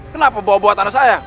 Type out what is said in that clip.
kenapa bawa tanah saya